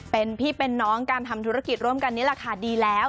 เป็นพี่เป็นน้องการทำธุรกิจร่วมกันนี้ราคาดีแล้ว